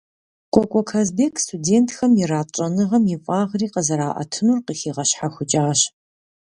Кӏуэкӏуэ Казбек студентхэм ират щӏэныгъэм и фӏагъри къызэраӏэтынур къыхигъэщхьэхукӏащ.